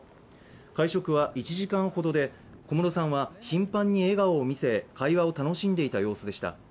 会食は１時間ほどで、小室さんは頻繁に笑顔を見せ、会話を楽しんでいた様子でした。